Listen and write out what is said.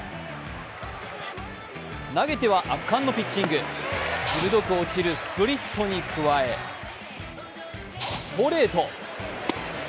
投げては圧巻のピッチング、鋭く落ちるスプリットに加えストレート。